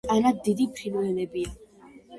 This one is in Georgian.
ტანად დიდი ფრინველებია.